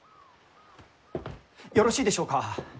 よろしいでしょうか？